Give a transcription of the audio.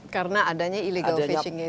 karena adanya illegal fishing itu